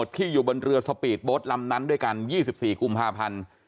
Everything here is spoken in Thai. ที่อยู่บนเรือสบลกล่ามนั้นด้วยกันยี่สิบสี่กุมห้าพันธุ์